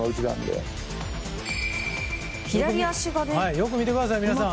よく見てください皆さん。